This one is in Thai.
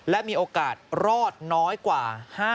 และมีโอกาสรอดน้อยกว่า